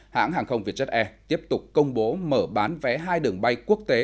hãng hàng không vietjet air tiếp tục công bố mở bán vé hai đường bay quốc tế